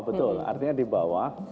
betul artinya di bawah